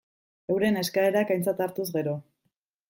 Euren eskaerak aintzat hartuz gero.